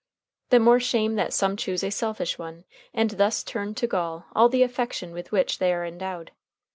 The more shame that some choose a selfish one, and thus turn to gall all the affection with which they are endowed.